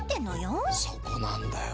そこなんだよ。